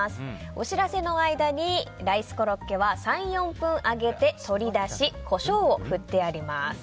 お知らせの間にライスコロッケは３４分揚げて取り出しコショウを振ってあります。